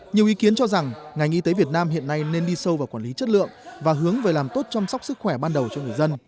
nhiều ý kiến cho rằng ngành y tế việt nam hiện nay nên đi sâu vào quản lý chất lượng và hướng về làm tốt chăm sóc sức khỏe ban đầu cho người dân